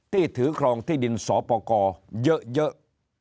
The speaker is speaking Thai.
ที่ถือครองที่ดินสอปกรเยอะ